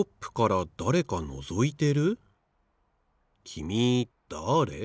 きみだあれ？